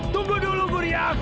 tunggu dulu gurian